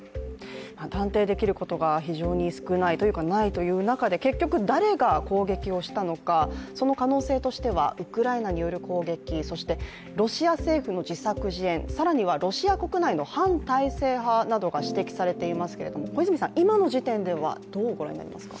断定できることが非常に少ないというか、ないという中で、結局誰が攻撃をしたのか、その可能性としてはウクライナによる攻撃、そしてロシア政府の自作自演、更にはロシア国内の反体制派などが指摘されていますけれども、小泉さん、今の時点ではどうご覧になりますか？